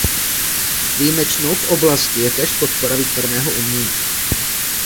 Výjimečnou v oblasti je též podpora výtvarného umění.